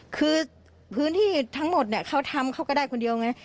คือพื้นที่ทั้งหมดเนี่ยเขาทำเขาก็ได้คนเดียวไง